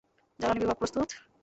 জ্বালানী বিভাগ, প্রস্তুত।